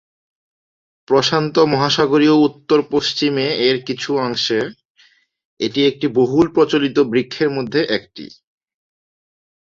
প্রশান্ত মহাসাগরীয় উত্তরপশ্চিমে এর কিছু অংশে, এটি একটি বহুল প্রচলিত বৃক্ষের মধ্যে একটি।